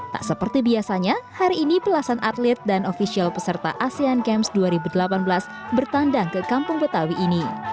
tak seperti biasanya hari ini belasan atlet dan ofisial peserta asean games dua ribu delapan belas bertandang ke kampung betawi ini